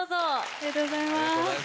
ありがとうございます。